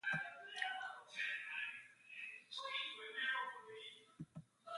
America was among the first economists to advocate for reparations to Black Americans.